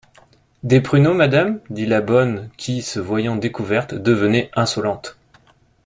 Des pruneaux, madame, dit la bonne, qui, se voyant découverte, devenait insolente.